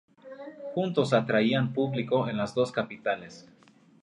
Juntos atraían público en las dos capitales.